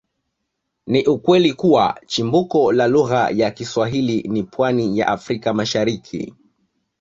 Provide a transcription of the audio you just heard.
Ni ukweli kuwa chimbuko la lugha ya Kiswahili ni pwani ya Afrika Mashariki